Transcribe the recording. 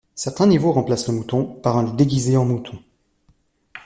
Certains niveaux remplacent le mouton par un loup déguisé en mouton.